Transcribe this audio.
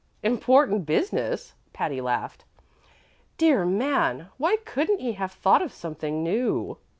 "Important business!" Patty laughed. "Dear man! why couldn't he have thought of something new?"